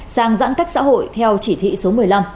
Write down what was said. sang giãn cách xã hội theo chỉ thị số một mươi năm